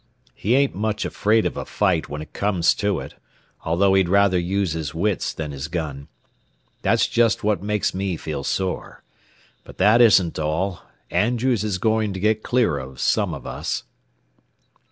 He ain't much afraid of a fight when it comes to it, although he'd rather use his wits than his gun. That's just what makes me feel sore. But that isn't all. Andrews is going to get clear of some of us."